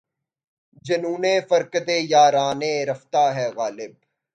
جنونِ فرقتِ یارانِ رفتہ ہے غالب!